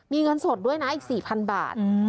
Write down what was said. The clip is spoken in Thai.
มีเงินสดด้วยนะอีก๔๐๐๐บาท